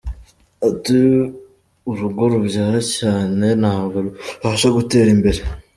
Ati “Urugo rubyara cyane ntabwo rubasha gutera imbere.